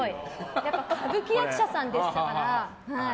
やっぱ歌舞伎役者さんですから。